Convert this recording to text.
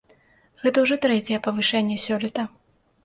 Гэта ўжо трэцяе павышэнне сёлета.